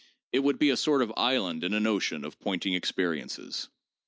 It would be a sort of island in an ocean of 'pointing' experiences.